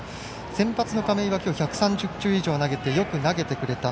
先発の亀井は今日、１３０球以上投げてよく投げてくれた。